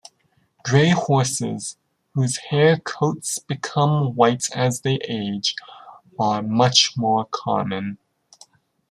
Gray horses, whose hair coats become white as they age, are much more common.